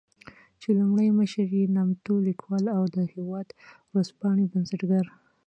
چې لومړی مشر يې نامتو ليکوال او د "هېواد" ورځپاڼې بنسټګر